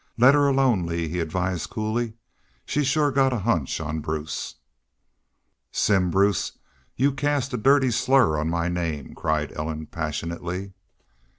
"Let her alone Lee," he advised, coolly. "She's shore got a hunch on Bruce." "Simm Bruce, y'u cast a dirty slur on my name," cried Ellen, passionately.